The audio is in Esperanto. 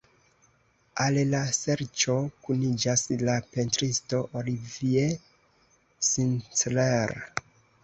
Al la serĉo kuniĝas la pentristo Olivier Sinclair.